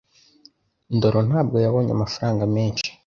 ndoro ntabwo yabonye amafaranga menshi